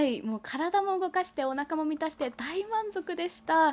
体を動かしてお腹も満たして大満足でした。